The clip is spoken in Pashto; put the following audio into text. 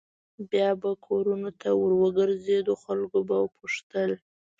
بیا به کورونو ته ور وګرځېدو خلکو به پوښتل.